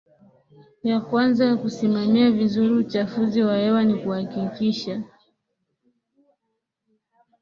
ya kwanza ya kusimamia vizuri uchafuzi wa hewa ni kuhakikisha